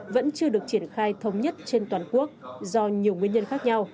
vẫn chưa được triển khai thống nhất trên toàn quốc do nhiều nguyên nhân khác nhau